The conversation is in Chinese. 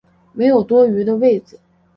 没有多余的位子